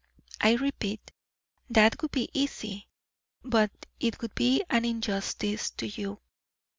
I repeat, that would be easy, but it would be an injustice to you.